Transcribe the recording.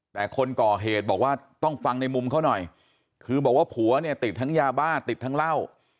แต่คนก่อเหตุบอกว่าต้องฟังในมุมเขาหน่อยคือบอกว่าผัวเนี่ยติดทั้งยาบ้าติดทั้งเหล้า